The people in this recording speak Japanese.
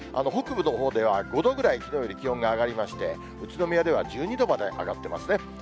北部のほうでは５度ぐらいきのうより気温が上がりまして、宇都宮では１２度まで上がってますね。